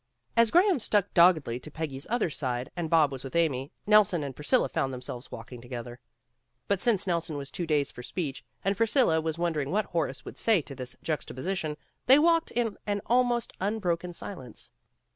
As Graham stuck doggedly to Peggy's other side and Bob was with Amy, Nelson and Priscilla found themselves walking together. But since Nelson was too dazed for speech, and Priscilla was wondering what Horace would say to this juxtaposition, they walked in an almost un broken silence.